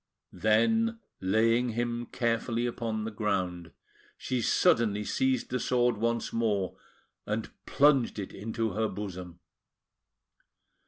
Then, laying him carefully upon the ground, she suddenly seized the sword once more, and plunged it into her bosom.